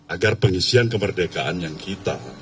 agar pengisian kemerdekaan yang kita